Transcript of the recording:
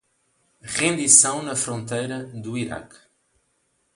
Rendição na fronteira do Iraque